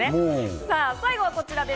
さあ、最後はこちらです。